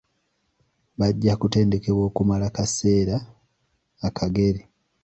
Bajja kutendekebwa okumala kaseera akagere.